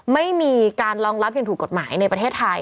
ไม่มีการรองรับอย่างถูกกฎหมายในประเทศไทย